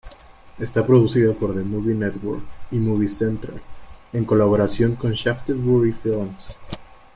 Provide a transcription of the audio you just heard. Está producida por The Movie Network y Movie Central en colaboración con Shaftesbury Films.